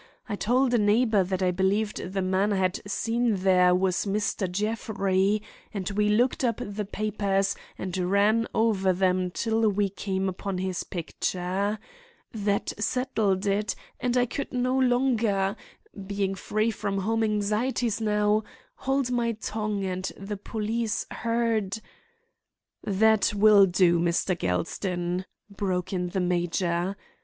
I told a neighbor that I believed the man I had seen there was Mr. Jeffrey, and we looked up the papers and ran over them till we came upon his picture. That settled it, and I could no longer—being free from home anxieties now—hold my tongue and the police heard—" "That will do, Mr. Gelston," broke in the major.